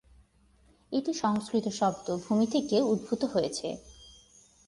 এটি সংস্কৃত শব্দ ভূমি থেকে উদ্ভূত হয়েছে।